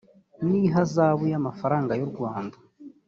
n ihazabu y amafaranga y u rwanda